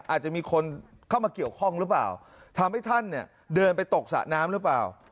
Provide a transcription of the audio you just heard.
อาจจะมีคนเข้ามาเกี่ยวข้องหรือเปล่าทำให้ท่านเนี่ยเดินไปตกสระน้ำหรือเปล่า